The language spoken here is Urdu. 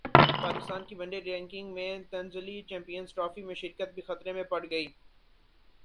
پاکستان کی ون ڈے رینکنگ میں تنزلی چیمپئنز ٹرافی میں شرکت بھی خطرے میں پڑگئی